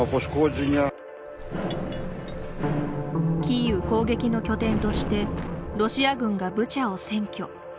キーウ攻撃の拠点としてロシア軍がブチャを占拠。